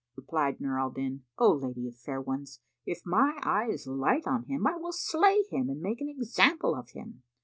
Replied Nur al Din, "O lady of fair ones, if my eyes light on him, I will slay him and make an example of him."